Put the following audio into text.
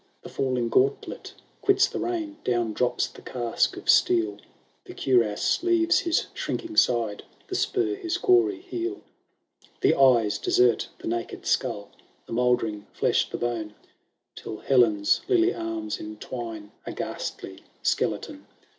The falling gauntlet quits the rein, Down drops the casque of steel, The cuirass leaves his shrinking side, The spur his gory heel. LXIII The eyes desert the naked skull, The mouldering flesh the bone, Till Helen's lily arms entwine A ghastly skeleton.